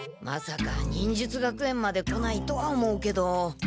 まさか忍術学園まで来ないとは思うけど。